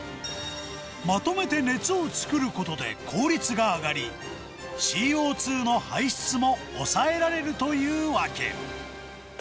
まとめて熱を作ることで効率が上がり、ＣＯ２の排出も抑えられるというわけ。